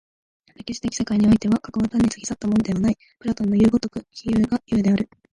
歴史的世界においては、過去は単に過ぎ去ったものではない、プラトンのいう如く非有が有である。